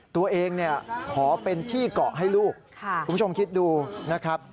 ตัวเองเนี่ยขอเป็นที่เกาะให้ลูกคุณผู้ชมคิดดูนะครับ